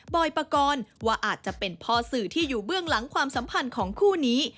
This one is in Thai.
อยปกรณ์ว่าอาจจะเป็นพ่อสื่อที่อยู่เบื้องหลังความสัมพันธ์ของคู่นี้